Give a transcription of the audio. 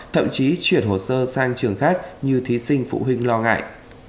thậm chí chuyển hồ sơ sang trường khác như thí sinh phụ huynh lo ngại